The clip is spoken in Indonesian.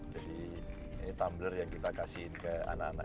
jadi ini tumbler yang kita kasih ke anak anak